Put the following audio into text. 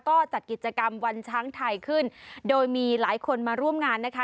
ก็จัดกิจกรรมวันช้างไทยขึ้นโดยมีหลายคนมาร่วมงานนะคะ